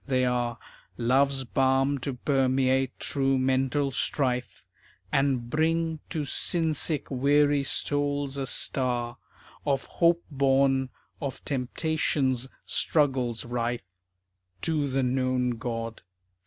They are Love's balm to permeate true mental strife, And bring to sin sick weary souls a star Of hope born of temptation's struggles rife. _To the Known God.